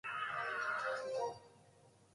地球温暖化が進んでいる。